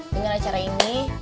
dengan acara ini